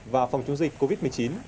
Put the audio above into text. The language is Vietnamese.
và phòng chống dịch covid một mươi chín